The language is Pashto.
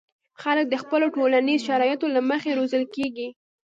خلک د خپلو ټولنیزو شرایطو له مخې روزل کېږي.